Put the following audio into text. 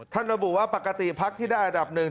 ระบุว่าปกติพักที่ได้อันดับหนึ่ง